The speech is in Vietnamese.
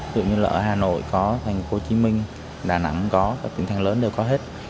tự nhiên là ở hà nội có thành phố hồ chí minh đà nẵng có các tỉnh thành lớn đều có hết